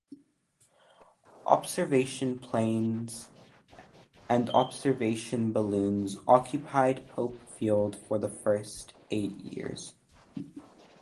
Observation planes and observation balloons occupied Pope Field for the first eight years.